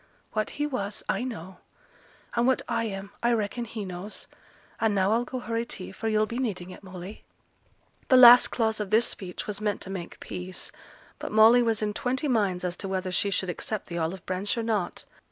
What he was, I know; and what I am, I reckon he knows. And now I'll go hurry tea, for yo'll be needing it, Molly!' The last clause of this speech was meant to make peace; but Molly was in twenty minds as to whether she should accept the olive branch or not.